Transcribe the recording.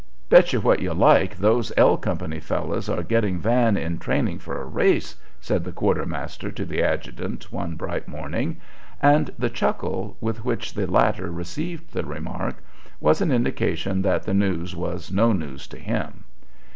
"Bet you what you like those 'L' Company fellows are getting Van in training for a race," said the quartermaster to the adjutant one bright morning, and the chuckle with which the latter received the remark was an indication that the news was no news to him.